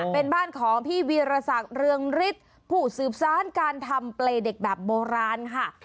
เป็นบ้านของพี่วีรศักดิ์เรืองฤทธิ์ผู้สืบสารการทำเปรย์เด็กแบบโบราณค่ะ